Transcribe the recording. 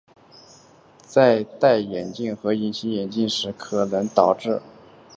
在戴眼镜或隐形眼镜时可能导致眼控判断失准。